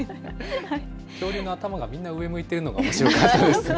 恐竜の頭がみんな上向いてるのがおもしろかったですね。